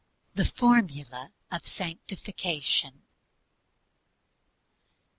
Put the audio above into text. THE FORMULA OF SANCTIFICATION.